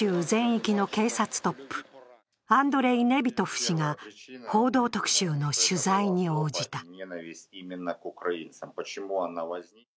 全域の警察トップ、アンドレイ・ネビトフ氏が「報道特集」の取材に応じた。